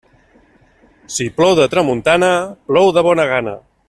Si plou de tramuntana, plou de bona gana.